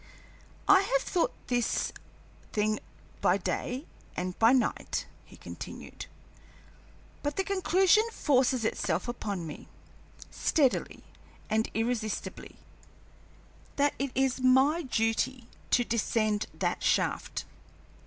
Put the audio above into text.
"I have thought over this thing by day and by night," he continued, "but the conclusion forces itself upon me, steadily and irresistibly, that it is my duty to descend that shaft.